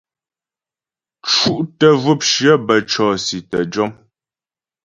Cútə zhwəpshyə bə́ cɔ̀si tə́ jɔm.